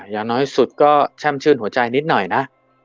อย่างน้อยสุดก็แช่มชื่นหัวใจนิดหน่อยนะ